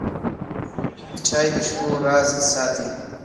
چای د شپو راز ساتي.